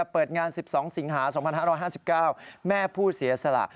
เปิดงาน๑๒สิงหา๒๕๕๙แม่ผู้เสียสละ